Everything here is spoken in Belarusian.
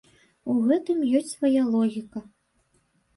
У гэтым ёсць свая логіка.